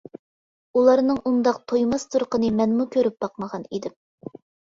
ئۇلارنىڭ ئۇنداق تويماس تۇرىقىنى مەنمۇ كۆرۈپ باقمىغان ئىدىم.